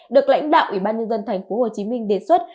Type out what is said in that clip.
được lãnh đạo ủy ban nhân dân thành phố hồ chí minh đề xuất